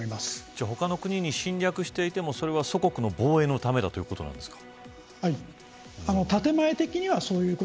じゃあ他の国に侵略していてもそれは祖国の防衛のためということなんですか。